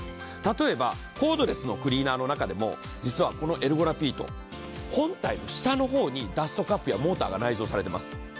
例えばコードレスのクリーナーの中でも実はこのエルゴラピード本体の下の方にダストカップやモーターが内蔵されてます。